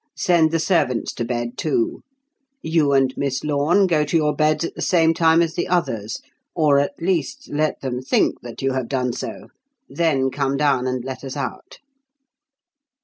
Send the servants to bed, too. You and Miss Lorne go to your beds at the same time as the others or, at least, let them think that you have done so; then come down and let us out."